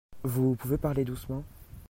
Vous pouvez parler doucement ?